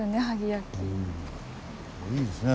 いいですね。